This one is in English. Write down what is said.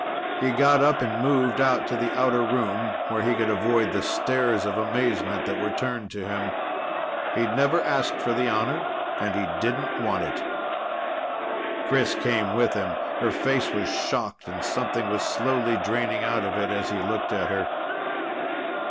He got up and moved out into the outer room, where he could avoid the stares of amazement that were turned to him. He'd never asked for the honor, and he didn't want it. Chris came with him. Her face was shocked and something was slowly draining out of it as he looked at her.